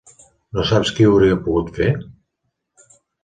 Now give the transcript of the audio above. No saps qui ho hauria pogut fer?